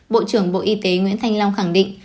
bộ trưởng bộ y tế nguyễn thanh long khẳng định